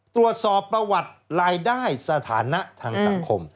ตรวจสอบประวัติรายได้สถานะทางสังคม